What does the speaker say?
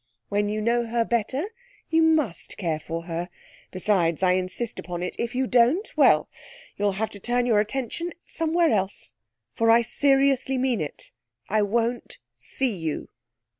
When you know her better you must care for her. Besides, I insist upon it. If you don't well, you'll have to turn your attention somewhere else. For I seriously mean it. I won't see you.'